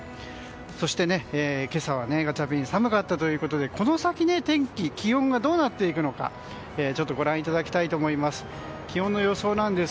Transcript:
そして、今朝はガチャピン寒かったということでこの先、天気、気温がどうなっていくのかご覧いただきたいと思います。